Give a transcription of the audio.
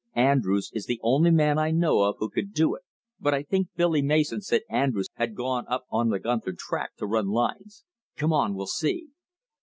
Andrews is the only man I know of who could do it, but I think Billy Mason said Andrews had gone up on the Gunther track to run lines. Come on; we'll see."